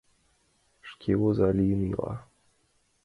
Шке оза лийын ила.